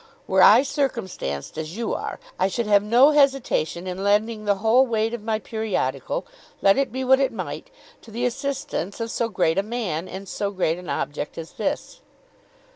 Were I circumstanced as you are I should have no hesitation in lending the whole weight of my periodical, let it be what it might, to the assistance of so great a man and so great an object as this."